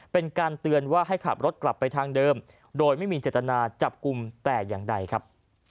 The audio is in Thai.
เป็นการเตือนว่าให้ขับรถกลับไปทางเดิมโดยไม่มีเจตนาจับกลุ่มแต่อย่างใดครับ